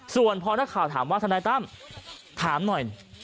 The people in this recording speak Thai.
ส่วนพอนักข่าวถามว่าทนายตั้มถามหน่อย